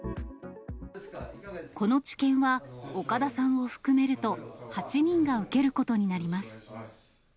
この治験は、岡田さんを含めると、８人が受けることになります。